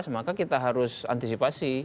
maka kita harus antisipasi